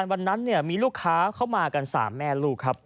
วันนั้นมีลูกค้าเข้ามากัน๓แม่ลูกครับ